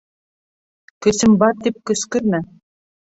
Көсөм бар тип, көскөрмә.